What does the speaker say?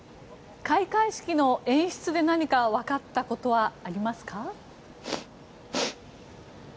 開会式の演出で何かわかったことはありますか。